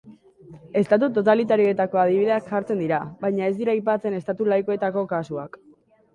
Herrialde totalitarioetako adibideak jartzen dira, baina ez dira aipatzen estatu laikoetako kasuak.